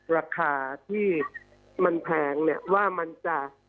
ราคาที่มันแพงว่ามันจาก